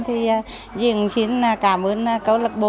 dì cũng xin cảm ơn câu lạc bộ